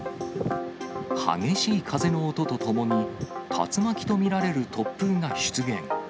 激しい風の音とともに、竜巻と見られる突風が出現。